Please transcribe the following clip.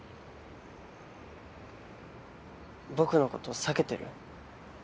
僕の事避けてる？